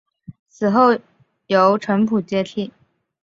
死后由程普接替。